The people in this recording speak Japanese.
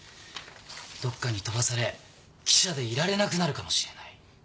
どっかに飛ばされ記者でいられなくなるかもしれない。